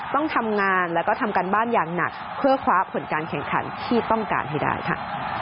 ต้องทำงานแล้วก็ทำการบ้านอย่างหนักเพื่อคว้าผลการแข่งขันที่ต้องการให้ได้ค่ะ